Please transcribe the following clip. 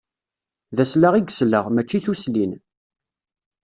D aslaɣ i yesleɣ, mačči tuslin.